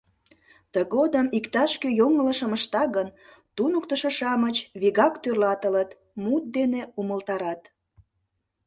Тыгодым иктаж-кӧ йоҥылышым ышта гын, «туныктышо-шамыч» вигак тӧрлатылыт, мут дене умылтарат.